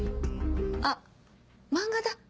あっ漫画だ。